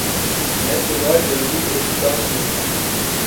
میں صبح جلدی اٹھتاہوں